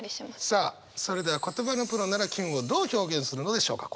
さあそれでは言葉のプロならキュンをどう表現するのでしょうか？